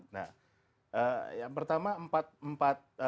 nah yang pertama empat